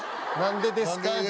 「何でですか？」